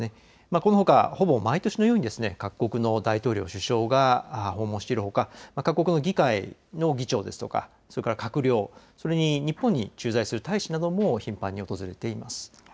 このほかほぼ毎年のように各国の大統領、首相が訪問しているほか、各国の議会の議長ですとか、それから閣僚、それに日本に駐在する大使なども頻繁に訪れています。